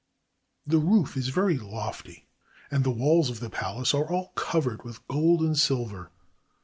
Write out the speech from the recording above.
The roof is very lofty, and the walls of the palace are all covered with gold and silver.